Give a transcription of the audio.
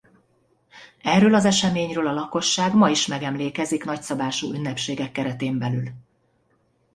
Erről az eseményről a lakosság ma is megemlékezik nagyszabású ünnepségek keretén belül.